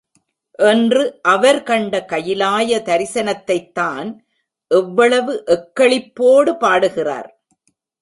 என்று அவர் கண்ட கயிலாய தரிசனத்தைத்தான் எவ்வளவு எக்களிப்போடு பாடுகிறார்?